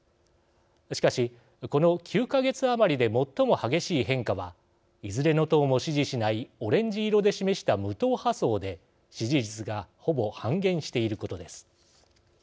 しかし、この９か月余りで最も激しい変化はいずれの党も支持しないオレンジ色で示した無党派層で支持率がほぼ半減していることです。